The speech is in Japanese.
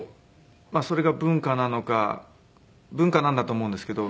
それが文化なのか文化なんだと思うんですけど。